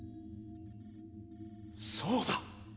そうだ！